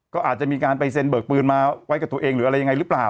ก็อาจจะมีการไปเซ็นเบิกปืนมาไว้กับตัวเองหรืออะไรยังไงหรือเปล่า